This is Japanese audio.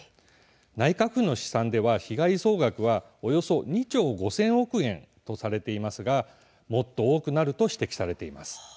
内閣府の試算では被害総額はおよそ２兆５０００億円とされていますがもっと多くなると指摘されています。